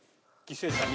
犠牲者２。